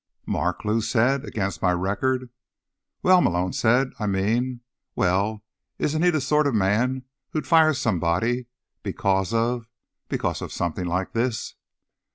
"Mark?" Lou said. "Against my record?" "Well," Malone said, "I mean—well, he isn't the sort of man who'd fire somebody, because of—because of something like this?"